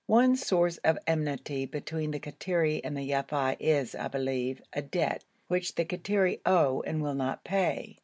One source of enmity between the Kattiri and the Yafei is, I believe, a debt which the Kattiri owe and will not pay.